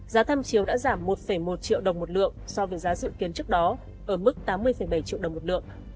giá tham chiếu đã giảm một một triệu đồng một lượng so với giá dự kiến trước đó ở mức tám mươi bảy triệu đồng một lượng